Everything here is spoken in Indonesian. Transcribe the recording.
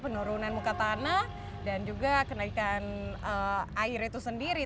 penurunan muka tanah dan juga kenaikan air itu sendiri